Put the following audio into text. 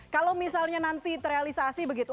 kalau misalnya nanti terrealisasi begitu